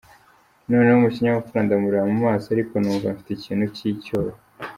Noneho mu kinyabupfura ndamureba mu maso, ariko numva mfite ikintu cy’icyoba.